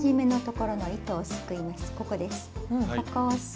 ここです